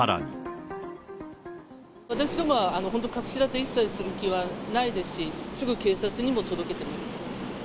私どもは本当、隠し立て一切する気はないですし、すぐ警察にも届けています。